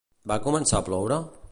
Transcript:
Va començar a ploure?